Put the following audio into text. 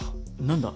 何だ？